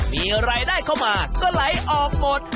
มีรายได้เข้ามาก็ไหลออกหมด